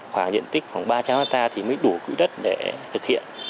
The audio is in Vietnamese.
khoảng diện tích khoảng ba trăm linh hectare thì mới đủ quỹ đất để thực hiện